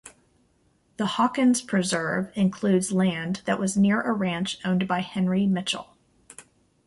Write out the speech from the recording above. The Hawkins Preserve includes land that was near a ranch owned by Henry Mitchell.